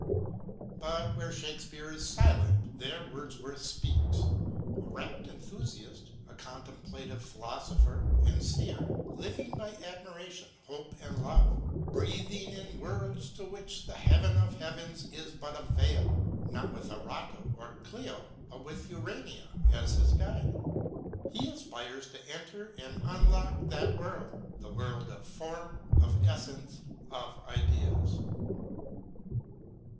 But where Shakespeare is silent, there Words worth speaks. A rapt enthusiast, a contemplative philosopher and seer, living by admiration, hope and love, " breathing in worlds to which the Heaven of Heavens is but a veil "; not with Erato or Clio, but with Urania as his guide, he aspires to enter and unlock that world — the world of Form, of Essence, of Ideas.